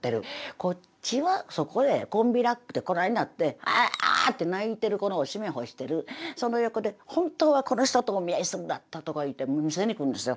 こっちはそこでコンビラックでこないなって「ああ」って泣いてる子のおしめ干してるその横で本当はこの人とお見合いするんだったとか言うて見せに来るんですよ。